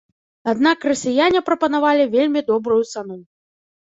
Аднак расіяне прапанавалі вельмі добрую цану.